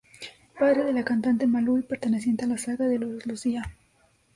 Padre de la cantante Malú y perteneciente a la saga de "Los Lucía".